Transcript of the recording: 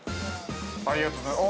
◆ありがとうございます。